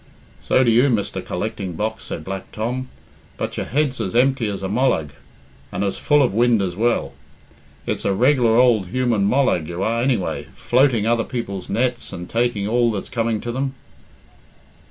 "So do you, Mr. Collecting Box," said Black Tom. "But your head's as empty as a mollag, and as full of wind as well. It's a regular ould human mollag you are, anyway, floating other people's nets and taking all that's coming to them."